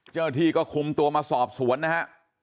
เจ้าหน้าที่ก็คุมตัวมาสอบสวนนะฮะ